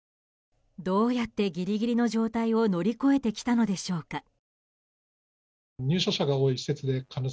どうやってギリギリの状態を乗り越えてきたのでしょうか。